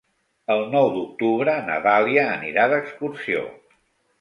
El nou d'octubre na Dàlia anirà d'excursió.